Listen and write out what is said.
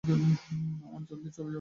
আমরা জলদিই চলে যাবো।